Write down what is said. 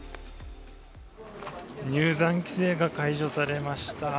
入山規制が解除されました。